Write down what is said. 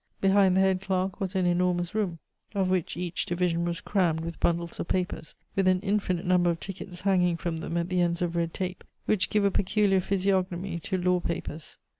Behind the head clerk was an enormous room, of which each division was crammed with bundles of papers with an infinite number of tickets hanging from them at the ends of red tape, which give a peculiar physiognomy to law papers.